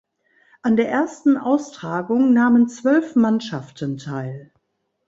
An der ersten Austragung nahmen zwölf Mannschaften teil.